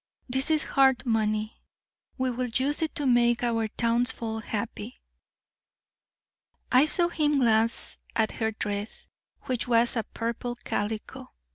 This is heart money; we will use it to make our townsfolk happy.' I saw him glance at her dress, which was a purple calico.